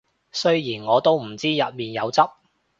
雖然我都唔知入面有汁